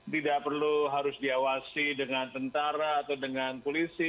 tidak perlu harus diawasi dengan tentara atau dengan polisi